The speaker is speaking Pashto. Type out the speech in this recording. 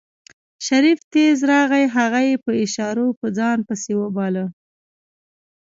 شريف تېز راغی هغه يې په اشارو په ځان پسې وباله.